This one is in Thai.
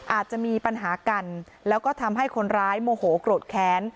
อาจจะมีปัญหากันแล้วก็ทำให้คนร้ายโมโหโกรธแค้น